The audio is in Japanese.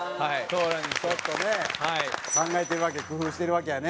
ちょっとね考えてるわけ工夫してるわけやね。